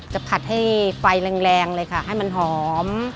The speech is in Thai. ผัดให้ไฟแรงเลยค่ะให้มันหอม